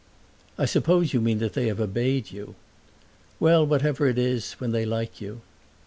"I suppose you mean that they have obeyed you." "Well, whatever it is, when they like you."